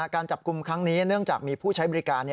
การจับกลุ่มครั้งนี้เนื่องจากมีผู้ใช้บริการ